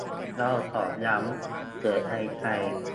เราขอย้ำ เกิดในไทย